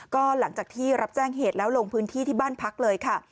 ก็หลังจากที่รับแจ้งเหตุแล้วลงพื้นที่ที่บ้านพักเลยค่ะ